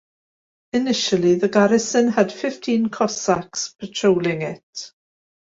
Initially the garrison had fifteen Cossacks patrolling it.